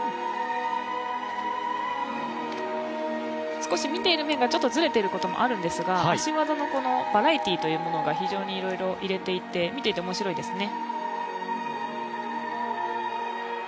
少し見ている面がずれている点もあるんですが足技のバラエティーを非常にいろいろ入れていって見ていて面白いですね。